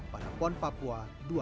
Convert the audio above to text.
pada pon papua dua ribu dua puluh